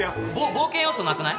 冒険要素なくない？